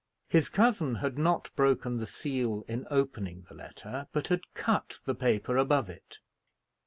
His cousin had not broken the seal in opening the letter, but had cut the paper above it.